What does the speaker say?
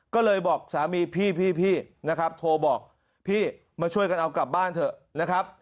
ก็เลยบอกสามีพี่นะครับโทรบอกพี่มาช่วยกันเอากลับบ้านเถอะนะครับ